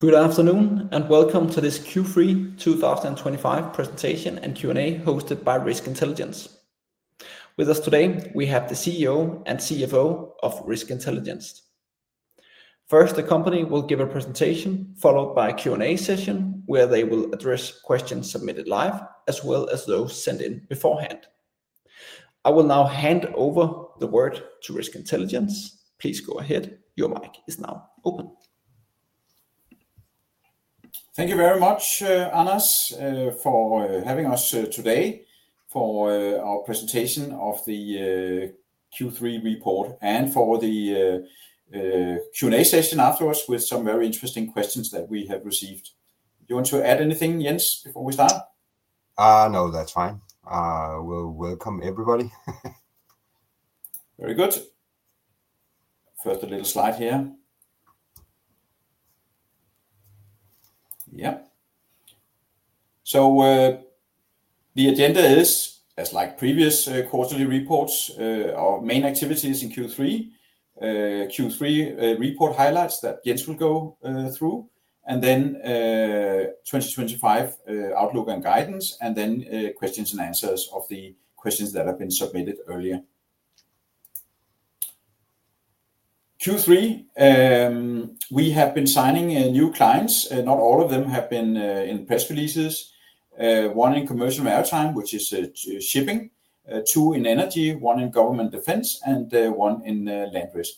Good afternoon and welcome to this Q3 2025 presentation and Q&A hosted by Risk Intelligence. With us today, we have the CEO and CFO of Risk Intelligence. First, the company will give a presentation followed by a Q&A session where they will address questions submitted live, as well as those sent in beforehand. I will now hand over the word to Risk Intelligence. Please go ahead, your mic is now open. Thank you very much, Anders, for having us today for our presentation of the Q3 report and for the Q&A session afterwards with some very interesting questions that we have received. Do you want to add anything, Jens, before we start? No, that's fine. We'll welcome everybody. Very good. First, a little slide here. Yeah. The agenda is, as like previous quarterly reports, our main activities in Q3, Q3 report highlights that Jens will go through, and then 2025 outlook and guidance, and then questions and answers of the questions that have been submitted earlier. Q3, we have been signing new clients. Not all of them have been in press releases. One in commercial maritime, which is shipping, two in energy, one in government defense, and one in land risk.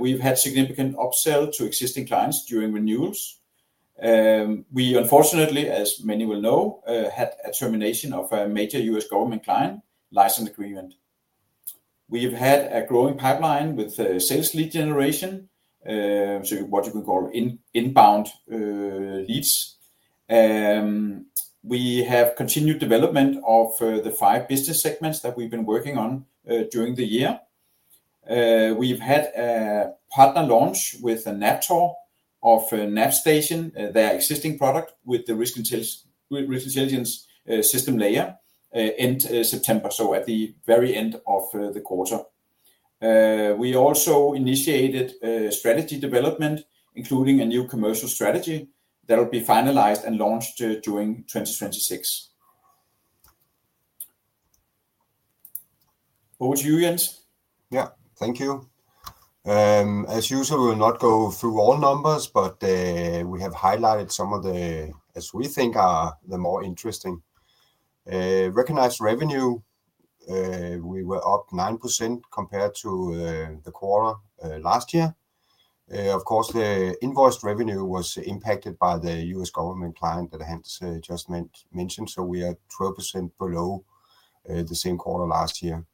We've had significant upsell to existing clients during renewals. We, unfortunately, as many will know, had a termination of a major U.S. government client license agreement. We have had a growing pipeline with sales lead generation, so what you can call inbound leads. We have continued development of the five business segments that we've been working on during the year. We've had a partner launch with NAVTOR of NavStation, their existing product with the Risk Intelligence system layer in September, so at the very end of the quarter. We also initiated strategy development, including a new commercial strategy that will be finalized and launched during 2026. Over to you, Jens. Yeah, thank you. As usual, we'll not go through all numbers, but we have highlighted some of the, as we think, are the more interesting. Recognized revenue, we were up 9% compared to the quarter last year. Of course, the invoice revenue was impacted by the U.S. government client that Hans just mentioned, so we are 12% below the same quarter last year.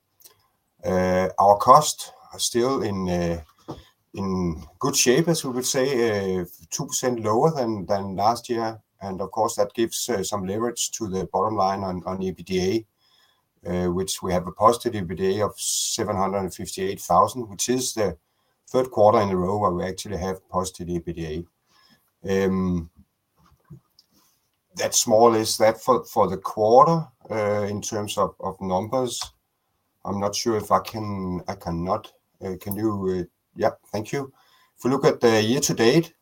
Our cost is still in good shape, as we would say, 2% lower than last year. Of course, that gives some leverage to the bottom line on EBITDA, which we have a positive EBITDA of 758,000, which is the third quarter in a row where we actually have positive EBITDA. That small is that for the quarter in terms of numbers. I'm not sure if I can, I cannot. Can you? Yeah, thank you. If we look at the year to date,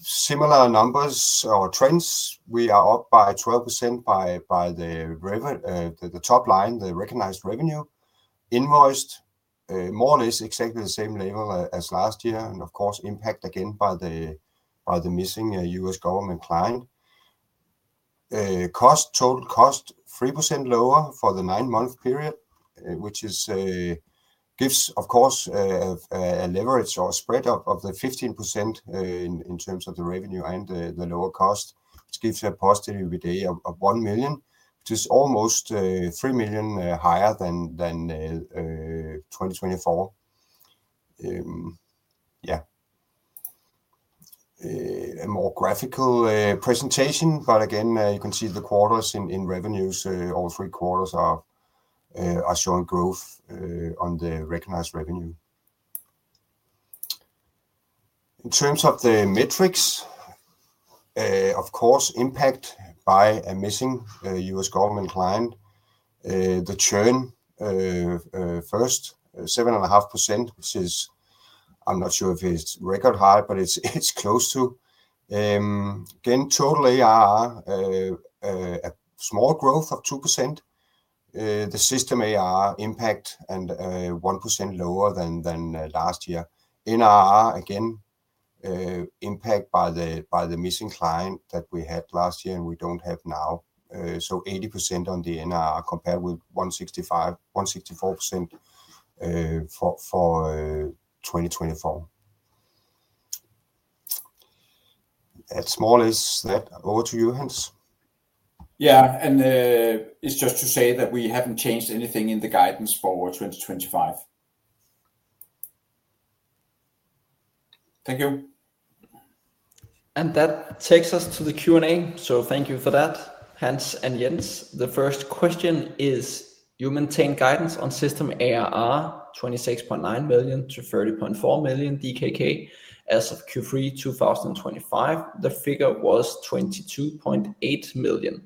similar numbers or trends, we are up by 12% by the top line, the recognized revenue. Invoiced, more or less exactly the same level as last year. Of course, impact again by the missing U.S. government client. Cost, total cost, 3% lower for the nine-month period, which gives, of course, a leverage or spread of the 15% in terms of the revenue and the lower cost, which gives a positive EBITDA of 1 million, which is almost 3 million higher than 2024. Yeah. A more graphical presentation, but again, you can see the quarters in revenues, all three quarters are showing growth on the recognized revenue. In terms of the metrics, of course, impact by a missing U.S. government client, the churn first, 7.5%, which is, I'm not sure if it's record high, but it's close to. Again, total ARR, a small growth of 2%. The system ARR impact and 1% lower than last year. NRR, again, impact by the missing client that we had last year and we do not have now. 80% on the NRR compared with 164% for 2024. That is more or less that. Over to you, Hans. Yeah, and it's just to say that we haven't changed anything in the guidance for 2025. Thank you. That takes us to the Q&A. Thank you for that, Hans and Jens. The first question is, you maintain guidance on system ARR, 26.9 million-30.4 million DKK as of Q3 2025. The figure was 22.8 million.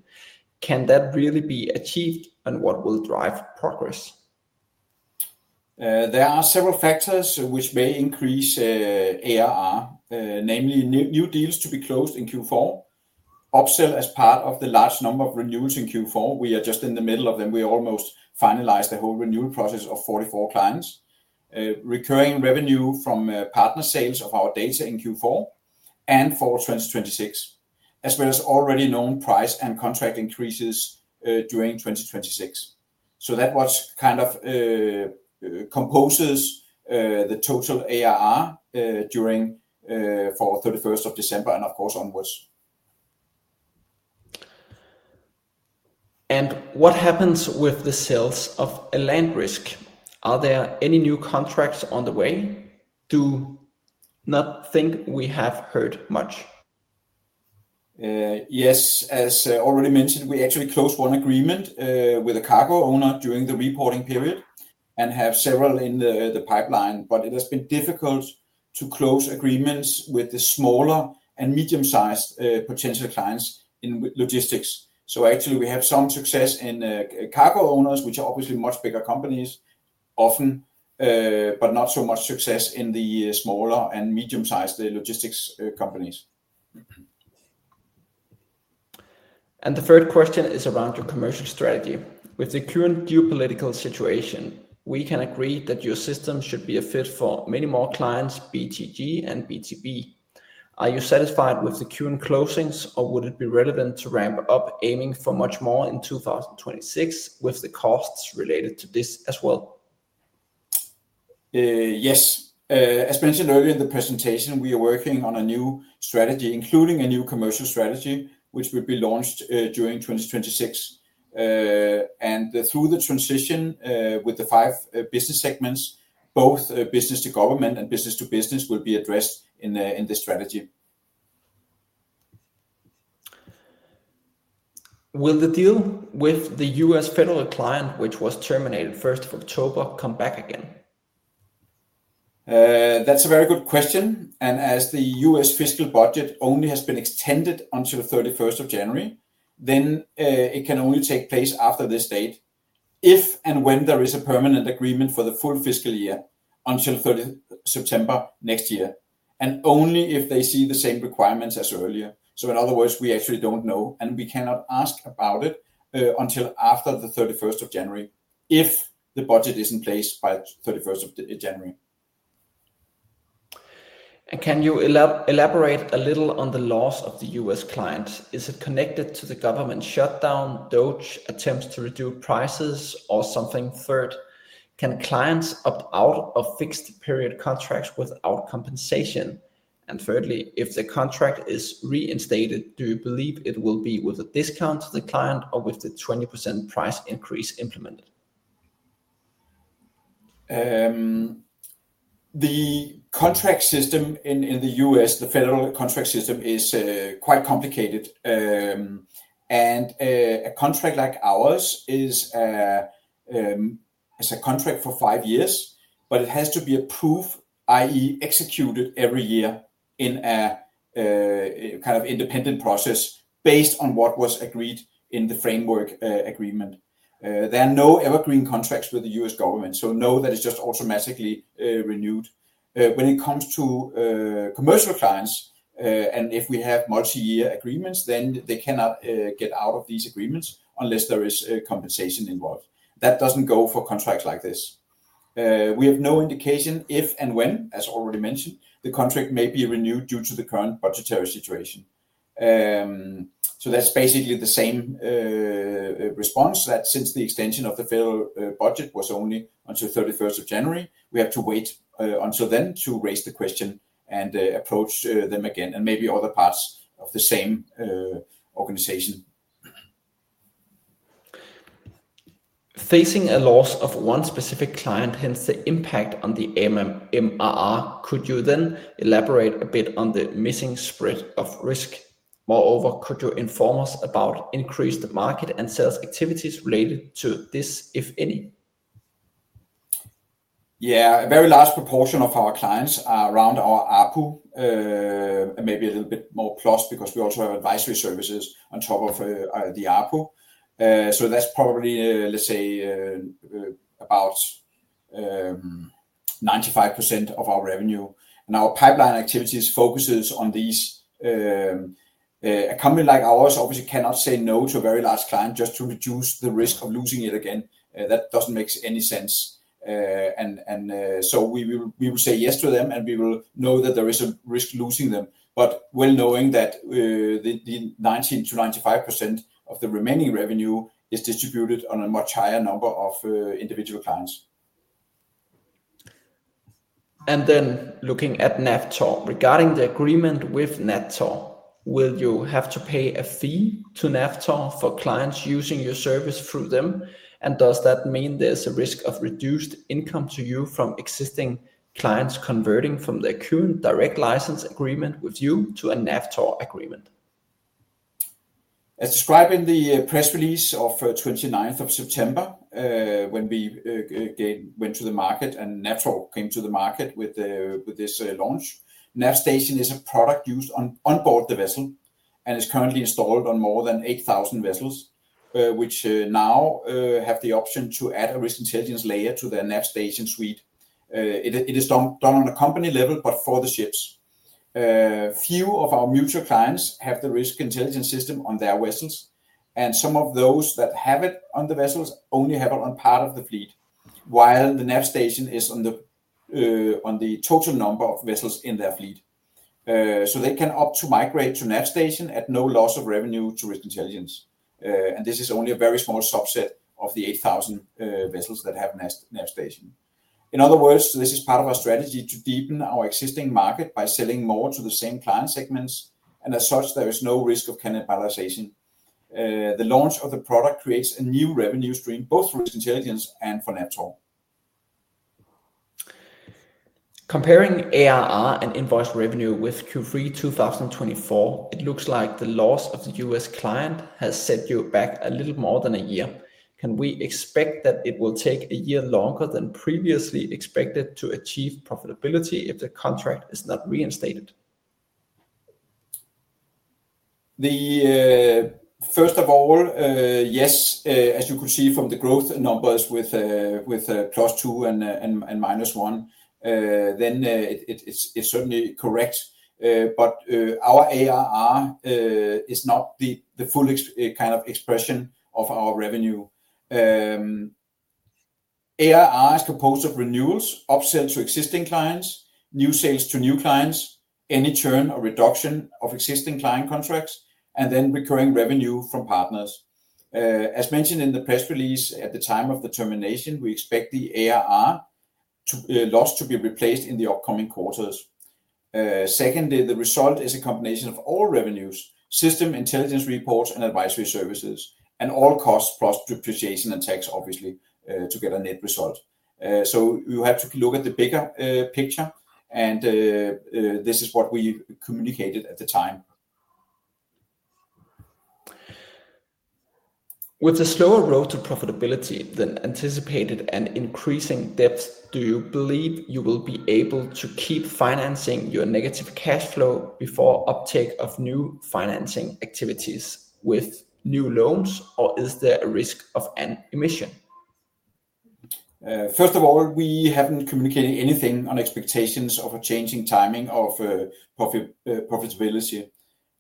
Can that really be achieved and what will drive progress? There are several factors which may increase ARR, namely new deals to be closed in Q4, upsell as part of the large number of renewals in Q4. We are just in the middle of them. We almost finalized the whole renewal process of 44 clients, recurring revenue from partner sales of our data in Q4 and for 2026, as well as already known price and contract increases during 2026. That is what kind of composes the total ARR for 31st of December and of course onwards. What happens with the sales of a land risk? Are there any new contracts on the way? Do not think we have heard much. Yes, as already mentioned, we actually closed one agreement with a cargo owner during the reporting period and have several in the pipeline, but it has been difficult to close agreements with the smaller and medium-sized potential clients in logistics. Actually, we have some success in cargo owners, which are obviously much bigger companies often, but not so much success in the smaller and medium-sized logistics companies. The third question is around your commercial strategy. With the current geopolitical situation, we can agree that your system should be a fit for many more clients, B2G and B2B. Are you satisfied with the current closings or would it be relevant to ramp up aiming for much more in 2026 with the costs related to this as well? Yes. As mentioned earlier in the presentation, we are working on a new strategy, including a new commercial strategy, which will be launched during 2026. Through the transition with the five business segments, both business to government and business to business will be addressed in the strategy. Will the deal with the U.S. federal client, which was terminated 1st of October, come back again? That's a very good question. As the U.S. fiscal budget only has been extended until 31st of January, it can only take place after this date if and when there is a permanent agreement for the full fiscal year until 30 September next year, and only if they see the same requirements as earlier. In other words, we actually don't know and we cannot ask about it until after the 31st of January if the budget is in place by 31st of January. Can you elaborate a little on the loss of the U.S. client? Is it connected to the government shutdown, DOD attempts to reduce prices, or something third? Can clients opt out of fixed period contracts without compensation? Thirdly, if the contract is reinstated, do you believe it will be with a discount to the client or with the 20% price increase implemented? The contract system in the U.S., the federal contract system is quite complicated. A contract like ours is a contract for five years, but it has to be approved, i.e., executed every year in a kind of independent process based on what was agreed in the framework agreement. There are no evergreen contracts with the U.S. government, so no, that is just automatically renewed. When it comes to commercial clients, and if we have multi-year agreements, then they cannot get out of these agreements unless there is compensation involved. That does not go for contracts like this. We have no indication if and when, as already mentioned, the contract may be renewed due to the current budgetary situation. That's basically the same response that since the extension of the federal budget was only until 31st of January, we have to wait until then to raise the question and approach them again and maybe other parts of the same organization. Facing a loss of one specific client, hence the impact on the MRR, could you then elaborate a bit on the missing spread of risk? Moreover, could you inform us about increased market and sales activities related to this, if any? Yeah, a very large proportion of our clients are around our ARPU, maybe a little bit more plus because we also have advisory services on top of the ARPU. That is probably, let's say, about 95% of our revenue. Our pipeline activities focuses on these. A company like ours obviously cannot say no to a very large client just to reduce the risk of losing it again. That does not make any sense. We will say yes to them and we will know that there is a risk losing them, but well knowing that the 19%-95% of the remaining revenue is distributed on a much higher number of individual clients. Looking at NAVTOR, regarding the agreement with NAVTOR, will you have to pay a fee to NAVTOR for clients using your service through them? Does that mean there's a risk of reduced income to you from existing clients converting from their current direct license agreement with you to a NAVTOR agreement? As described in the press release of 29th of September, when we went to the market and NAVTOR came to the market with this launch, NavStation is a product used onboard the vessel and is currently installed on more than 8,000 vessels, which now have the option to add a Risk Intelligence layer to their NavStation suite. It is done on a company level, but for the ships. Few of our mutual clients have the Risk Intelligence system on their vessels, and some of those that have it on the vessels only have it on part of the fleet, while the NavStation is on the total number of vessels in their fleet. They can opt to migrate to NavStation at no loss of revenue to Risk Intelligence. This is only a very small subset of the 8,000 vessels that have NavStation. In other words, this is part of our strategy to deepen our existing market by selling more to the same client segments. As such, there is no risk of cannibalization. The launch of the product creates a new revenue stream, both for Risk Intelligence and for NAVTOR. Comparing ARR and invoice revenue with Q3 2024, it looks like the loss of the U.S. client has set you back a little more than a year. Can we expect that it will take a year longer than previously expected to achieve profitability if the contract is not reinstated? First of all, yes, as you could see from the growth numbers with plus two and minus one, then it's certainly correct. But our ARR is not the full kind of expression of our revenue. ARR is composed of renewals, upsell to existing clients, new sales to new clients, any churn or reduction of existing client contracts, and then recurring revenue from partners. As mentioned in the press release at the time of the termination, we expect the ARR loss to be replaced in the upcoming quarters. Secondly, the result is a combination of all revenues, system intelligence reports and advisory services, and all costs plus depreciation and tax, obviously, to get a net result. You have to look at the bigger picture, and this is what we communicated at the time. With a slower road to profitability than anticipated and increasing debts, do you believe you will be able to keep financing your negative cash flow before uptake of new financing activities with new loans, or is there a risk of an emission? First of all, we haven't communicated anything on expectations of a changing timing of profitability.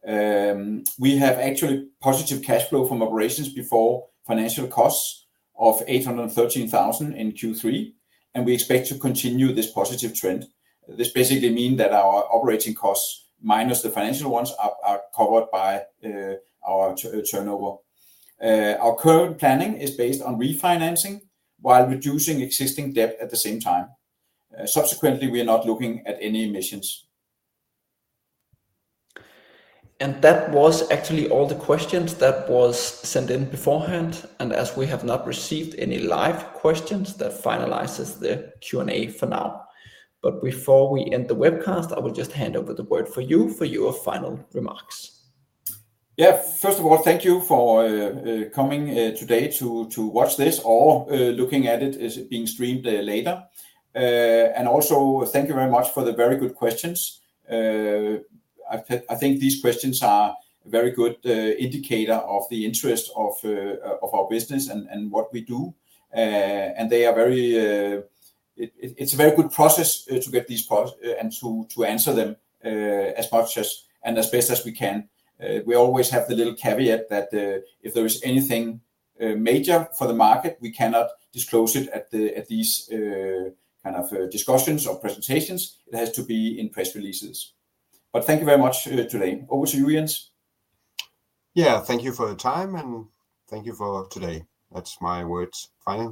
We have actually positive cash flow from operations before financial costs of 813,000 in Q3, and we expect to continue this positive trend. This basically means that our operating costs minus the financial ones are covered by our turnover. Our current planning is based on refinancing while reducing existing debt at the same time. Subsequently, we are not looking at any emissions. That was actually all the questions that were sent in beforehand. As we have not received any live questions, that finalizes the Q&A for now. Before we end the webcast, I will just hand over the word for you for your final remarks. Yeah, first of all, thank you for coming today to watch this or looking at it as being streamed later. Also, thank you very much for the very good questions. I think these questions are a very good indicator of the interest of our business and what we do. They are a very, it's a very good process to get these and to answer them as much and as best as we can. We always have the little caveat that if there is anything major for the market, we cannot disclose it at these kind of discussions or presentations. It has to be in press releases. Thank you very much today. Over to you, Jens. Yeah, thank you for the time and thank you for today. That's my words. Fine.